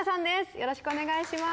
よろしくお願いします。